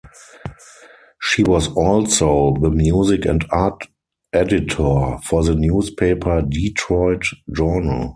She was also the music and art editor for the newspaper "Detroit Journal".